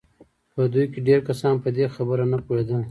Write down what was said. په دوی کې ډېر کسان پر دې خبره نه پوهېدل